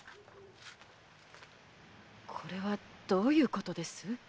これはどういうことです？